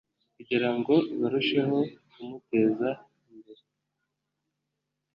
, kugira ngo barusheho kumuteza imbere